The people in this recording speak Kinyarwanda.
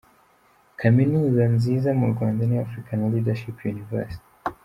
Kamenuza nziza mu Rwanda ni African Leadership University.